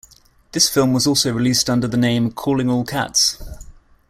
This film was also released under the name 'Calling All Cats'.